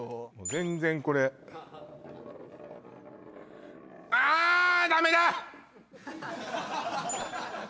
全然これああダメだ！